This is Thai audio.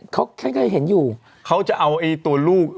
เขาฉันเคยเห็นอยู่เขาจะเอาไอ้ตัวลูก